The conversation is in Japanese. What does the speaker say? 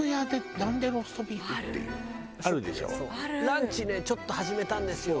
ランチねちょっと始めたんですよ